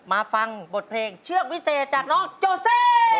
มาฟังบทเพลงเชือกวิเศษจากน้องโจเซ